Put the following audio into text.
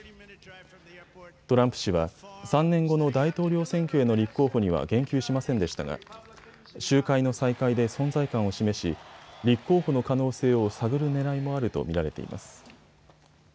トランプ氏は３年後の大統領選挙への立候補には言及しませんでしたが集会の再開で存在感を示し、立候補の可能性を探るねらいもあると見られています。